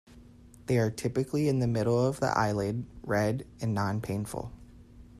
They are typically in the middle of the eyelid, red, and non painful.